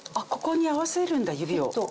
ここに合わせるんだ指を。